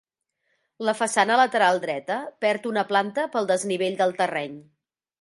La façana lateral dreta perd una planta pel desnivell del terreny.